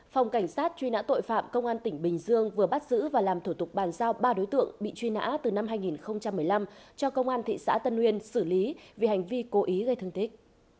phòng cảnh sát truy nã tội phạm công an tỉnh bình dương vừa bắt giữ và làm thủ tục bàn giao ba đối tượng bị truy nã từ năm hai nghìn một mươi năm cho công an thị xã tân nguyên xử lý vì hành vi cố ý gây thương tích